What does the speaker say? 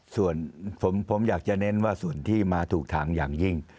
ส่วนผมอยากจะเน้นว่าส่วนที่มาถูกทางอย่างยิ่ง